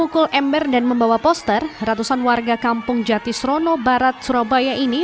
kepala keluarga jatisrono barat surabaya